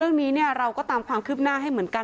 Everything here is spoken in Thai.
เรื่องนี้เราก็ตามความคืบหน้าให้เหมือนกัน